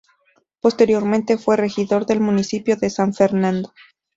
Posteriormente fue regidor del municipio de San Fernando.